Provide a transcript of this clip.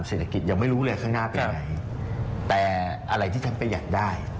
เศรษฐกิจยังไม่รู้เลยข้างหน้าเป็นไหนแต่อะไรที่ฉันประหยัดได้